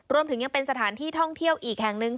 รวมถึงยังเป็นสถานที่ท่องเที่ยวอีกแห่งหนึ่ง